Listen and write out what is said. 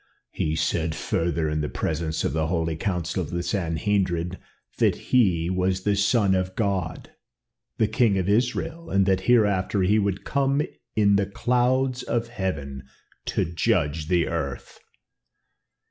"He said further in the presence of the holy Council of the Sanhedrim that he was the Son of God, the King of Israel, and that hereafter he would come in the clouds of heaven to judge the earth."